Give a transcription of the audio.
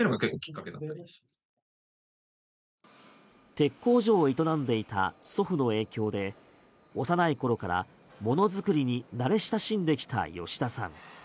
鉄工所を営んでいた祖父の影響で幼い頃からもの作りに慣れ親しんできた吉田さん。